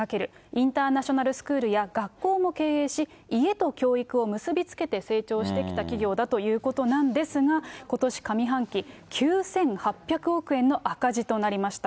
インターナショナルスクールや学校も経営し、家と教育を結び付けて成長してきた企業だということなんですが、ことし上半期、９８００億円の赤字となりました。